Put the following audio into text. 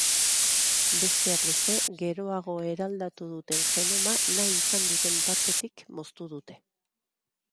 Besteak beste, geroago eraldatu duten genoma nahi izan duten partetik moztu dute.